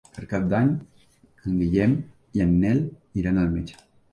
Per Cap d'Any en Guillem i en Nel iran al metge.